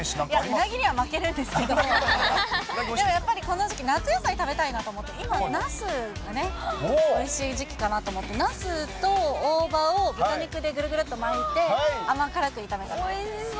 うなぎには負けるんですけど、でもやっぱりこの時期、夏野菜食べたいと思って、今、なすがね、おいしい時期かなと思って、ナスと大葉を豚肉でぐるぐるっと巻いて、おいしそう。